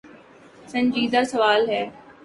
سنجیدہ سوال ہے۔